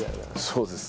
そうです。